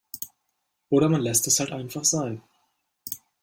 Oder man lässt es halt einfach sein.